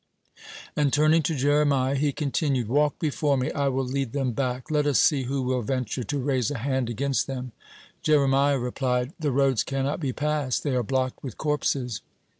And turning to Jeremiah, he continued: "Walk before me, I will lead them back; let us see who will venture to raise a hand against them." Jeremiah replied: "The roads cannot be passed, they are blocked with corpses."